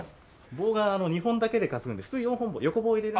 棒が２本だけで担ぐので普通４本横棒入れるので。